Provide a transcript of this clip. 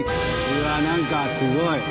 うわなんかすごい。